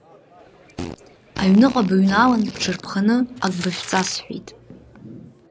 Аҩныҟа быҩналан бҽырԥханы ак бышәҵа сҳәеит.